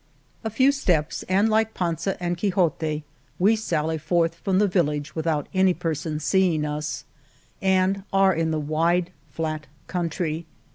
A few steps, and like Panza and Quixote we sally forth from the village without any person seeing us," and are in the wide, flat country.